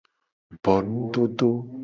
Bo nudodo.